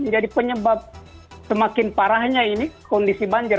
jadi penyebab semakin parahnya ini kondisi banjir